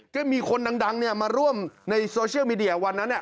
ก็มีคนดังมาร่วมในโซเชียลมีเดียวันนั้น